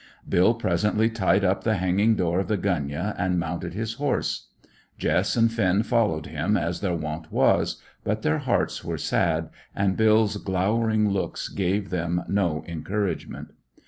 Bill presently tied up the hanging door of the gunyah and mounted his horse. Jess and Finn followed him as their wont was, but their hearts were sad, and Bill's glowering looks gave them no encouragement.